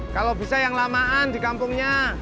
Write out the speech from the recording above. kalau bisa yang lamaan di kampungnya